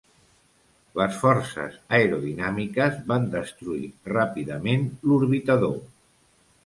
Les forces aerodinàmiques van destruir ràpidament l'orbitador.